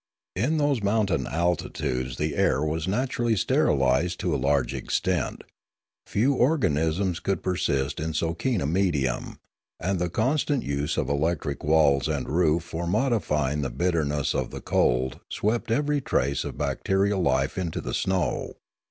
In those mountain altitudes the air was naturally sterilised to a large ex tent ; few organisms could persist in so keen a medium ; and the constant use of electric walls and roof for modifying the bitterness of the cold swept every trace of bacterial life into the snow.